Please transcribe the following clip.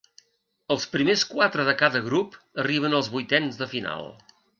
Els primers quatre de cada grup arriben als vuitens de final.